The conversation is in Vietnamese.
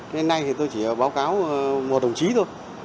nên nay thì tôi chỉ báo cáo một đồng chí thôi